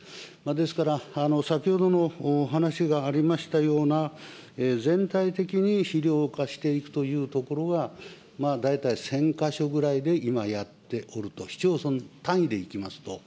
ですから、先ほどのお話がありましたような、全体的に肥料化していくという所は、大体１０００か所ぐらいで今、やっておると、市町村単位でいきますと。